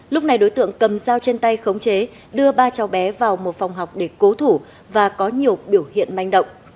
lúc này đối tượng cầm dao trên tay khống chế đưa ba cháu bé vào một phòng học để cố thủ và có nhiều biểu hiện manh động